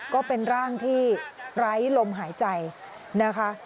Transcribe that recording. ก็เป็นร่างที่ไร้ลมหายใจนะคะ